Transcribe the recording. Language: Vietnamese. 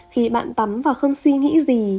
khi bạn tắm và không suy nghĩ gì